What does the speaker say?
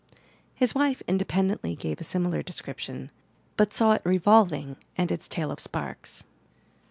His wife independently gave a similar description, but saw it revolving and its tail of sparks.